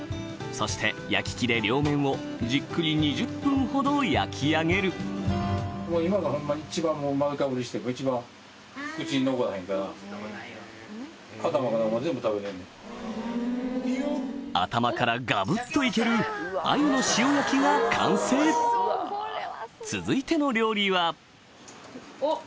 そして焼き機で両面をじっくり２０分ほど焼き上げる頭からガブっといけるが完成続いての料理はおっ！